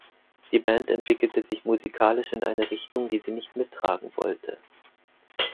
Die Band entwickelte sich musikalisch in eine Richtung, die sie nicht mittragen wollte.